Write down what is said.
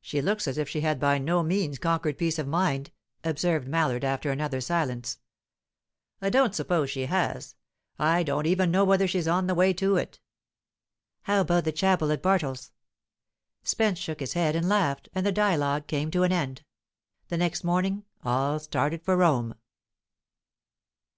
"She looks as if she had by no means conquered peace of mind," observed Mallard, after another silence. "I don't suppose she has. I don't even know whether she's on the way to it." "How about the chapel at Bartles?" Spence shook his head and laughed, and the dialogue came to an end. The next morning all started for Rome.